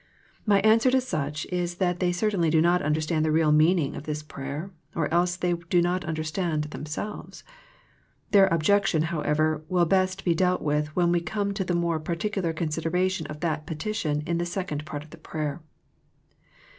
My answer to such is that they certainly do not understand the real meaning of this prayer, or else they do not understand themselves. Their objection, however, will best be dealt with when we come to the more particular consideration of that petition in the second part of the prayer.